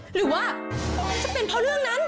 หรือว่าจะเป็นเพราะเรื่องนั้น